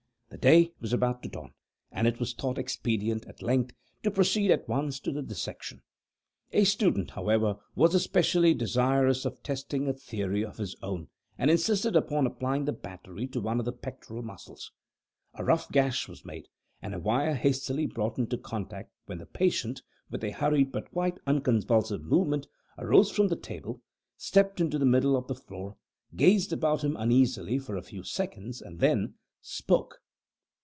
The day was about to dawn; and it was thought expedient, at length, to proceed at once to the dissection. A student, however, was especially desirous of testing a theory of his own, and insisted upon applying the battery to one of the pectoral muscles. A rough gash was made, and a wire hastily brought in contact, when the patient, with a hurried but quite unconvulsive movement, arose from the table, stepped into the middle of the floor, gazed about him uneasily for a few seconds, and then spoke.